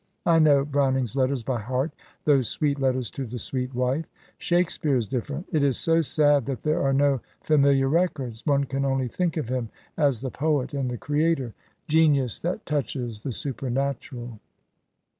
I know Browning's letters by heart; those sweet letters to the sweet wife. Shakespeare is different. It is so sad that there are no familiar records. One can only think of him as the poet and the creator; genius that touches the supernatural."